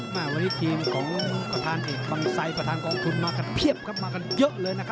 วันนี้ทีมของประธานเอกฏฟังไซค์ประธานกองทุนมากันเพียบเยอะเลยนะครับ